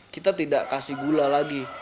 kita tidak kasih gula lagi